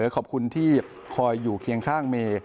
ขอบคุณที่คอยอยู่เคียงข้างเมย์